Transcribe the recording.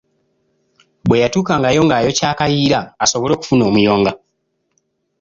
Bwe yatuukangayo ng’ayokya akayiira asobole okufuna omuyonga.